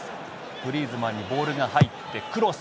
グリーズマンにボールが入ってクロス。